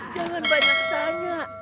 jangan banyak tanya